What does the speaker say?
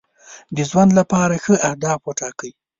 د ژوند لپاره ښه اهداف وټاکئ.